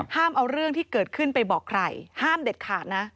ห้ามเอาเรื่องที่เกิดขึ้นไปบอกใครห้ามเด็ดขาดนะ